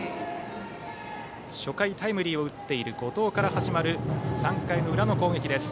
初回、タイムリーを打った後藤から始まる３回の裏の攻撃です。